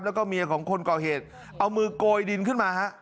แล้วก็เมียของคนก่อเหตุเอามือโกยดินขึ้นมาฮะ